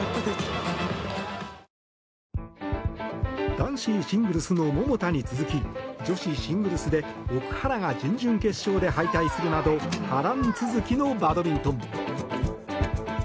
男子シングルスの桃田に続き女子シングルスで奥原が準々決勝で敗退するなど波乱続きのバドミントン。